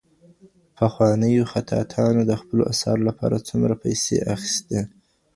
پخوانیو خطاطانو د خپلو اثارو لپاره څومره پیسې اخیستې؟